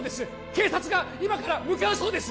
警察が今から向かうそうです